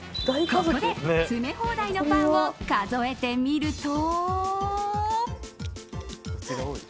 ここで詰め放題のパンを数えてみると。